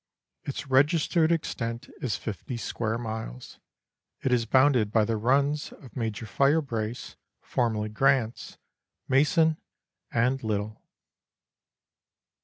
Its registered extent is 50 square miles. It is bounded by the runs of Major Firebrace (formerly Grant's), Mason, and Little.